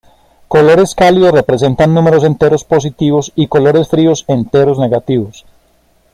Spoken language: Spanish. Colores cálidos representan números enteros positivos y colores fríos enteros negativos.